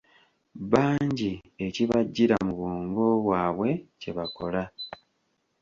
Bangi ekibajjira mu bwongo bwabwe kyebakola.